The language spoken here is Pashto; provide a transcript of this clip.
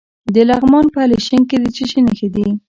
د لغمان په الیشنګ کې د څه شي نښې دي؟